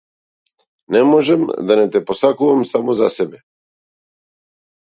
Не можам да не те посакувам само за себе!